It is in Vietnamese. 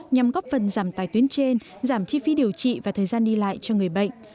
nhằm góp phần giảm tài tuyến trên giảm chi phí điều trị và thời gian đi lại cho người bệnh